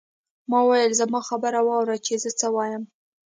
ما وویل زما خبره واورئ چې زه څه وایم.